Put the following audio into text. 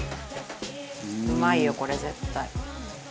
うまいよこれ絶対。